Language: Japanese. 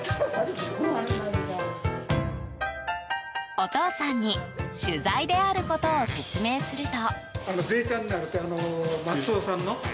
お父さんに取材であることを説明すると。